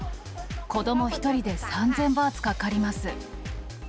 子ども１人で３０００バーツかかります。